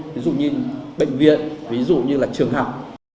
ví dụ như bệnh viện ví dụ như là trường học